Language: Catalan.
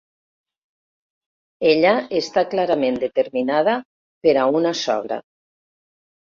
Ella està clarament determinada per a una sogra.